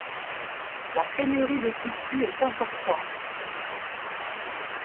La pénurie de tissus est importante.